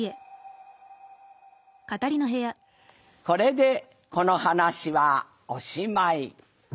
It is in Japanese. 「これでこの話はおしまい。